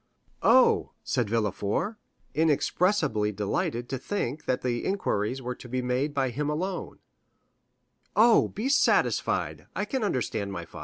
"Oh," said Villefort, inexpressibly delighted to think that the inquiries were to be made by him alone,—"oh, be satisfied, I can understand my father."